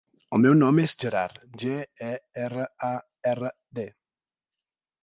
El meu nom és Gerard: ge, e, erra, a, erra, de.